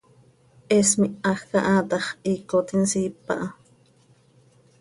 He smihaj caha tax, hiicot insiip aha.